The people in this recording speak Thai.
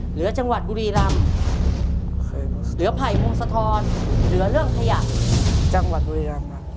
เหลือจังหวัดบุรีรำเหลือไผ่วงสะทรเหลือเรื่องขยะจังหวัดบุรีรำครับ